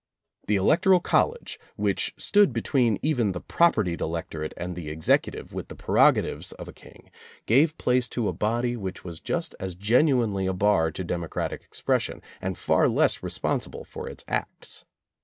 The electoral college which stood between even the propertied elector ate and the executive with the prerogatives of a king, gave place to a body which was just as genuinely a bar to democratic expression, and far less responsible for its acts.